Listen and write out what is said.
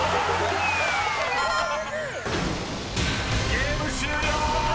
［ゲーム終了！